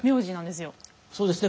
そうですね